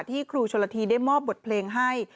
ที่ครูชลธีได้หมอบบทเพลงให้